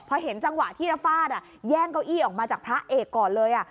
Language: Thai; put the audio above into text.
พอเห็นจังหวะที่จะฟาดแย่งเก้าอี้ออกมาจากพระเอกก่อนเลย